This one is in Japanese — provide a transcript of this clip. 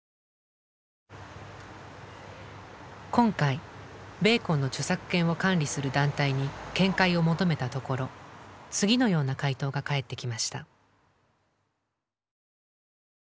今回ベーコンの著作権を管理する団体に見解を求めたところ次のような回答が返ってきました。